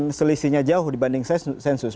yang selisihnya jauh dibanding sensus